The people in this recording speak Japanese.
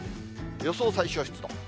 予想最小湿度。